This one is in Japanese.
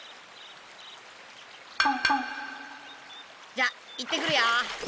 じゃあ行ってくるよ。